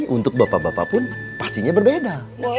untuk bapak bapak pun pastinya berbeda